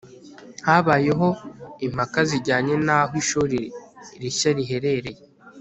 habayeho impaka zijyanye n'aho ishuri rishya riherereye